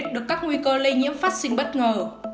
được các nguy cơ lây nhiễm phát sinh bất ngờ